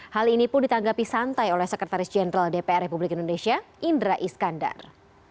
hal ini pun ditanggapi santai oleh sekretaris jenderal dpr republik indonesia indra iskandar